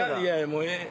もうええ。